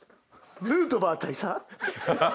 ヌートバー大佐。